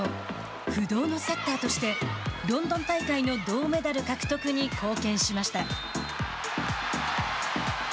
不動のセッターとしてロンドン大会の銅メダル獲得に貢献しました。